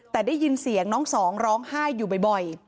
แต่ได้ยินเสียงน้องสองร้องไห้อยู่บ่อย